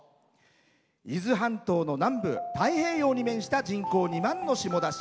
伊豆半島の南部太平洋に面した人口２万の下田市。